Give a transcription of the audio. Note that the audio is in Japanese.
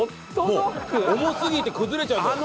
重すぎて崩れちゃうんだよ。